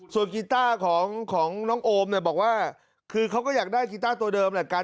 ส่วนกีต้าของน้องโอมเนี่ยบอกว่าคือเขาก็อยากได้กีต้าตัวเดิมแหละ